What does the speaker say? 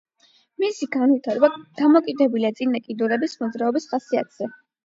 მისი განვითარება დამოკიდებულია წინა კიდურების მოძრაობის ხასიათზე.